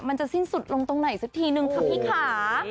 มันจะสิ้นสุดลงตรงไหนสักทีนึงค่ะพี่ค่ะ